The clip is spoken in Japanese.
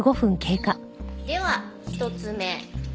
では１つ目。